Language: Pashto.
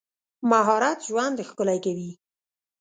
مهارت ژوند ښکلی کوي.